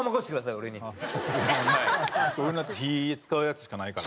俺のやつ火使うやつしかないから。